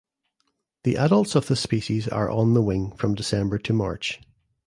The adults of this species are on the wing from December to March.